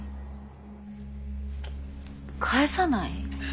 返さない？